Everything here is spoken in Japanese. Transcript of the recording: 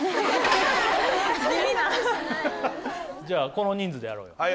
じゃあこの人数でやろうよ。